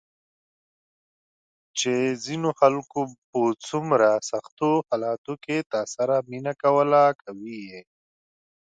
چې ځینو خلکو په څومره سختو حالاتو کې تاسو سره مینه کوله، کوي یې ~